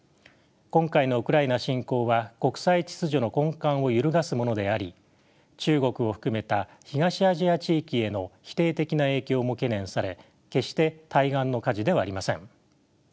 今回のウクライナ侵攻は国際秩序の根幹を揺るがすものであり中国を含めた東アジア地域への否定的な影響も懸念され決して対岸の火事ではありません。